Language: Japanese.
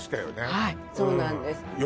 はいそうなんです